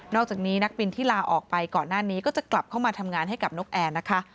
อกจากนี้นักบินที่ลาออกไปก่อนหน้านี้ก็จะกลับเข้ามาทำงานให้กับนกแอร์นะคะ